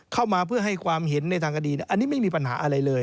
เข้ามาเพื่อให้ความเห็นในทางคดีอันนี้ไม่มีปัญหาอะไรเลย